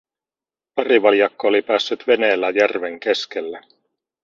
Parivaljakko oli päässyt veneellä järven keskelle.